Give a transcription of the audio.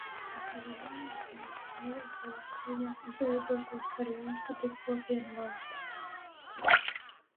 Es domāju, ka mums nevajag, lai Latvija izveidotos par īstu divkopienu valsti.